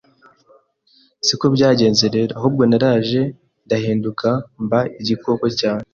siko byagenze rero ahubwo naraje ndahinduka mba igikoko cyane